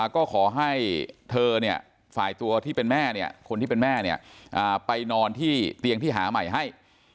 ก็ขอให้เธอฝ่ายตัวที่เป็นแม่เนี่ยคนที่เป็นแม่ไปนอนที่เตียงที่หาใหม่ให้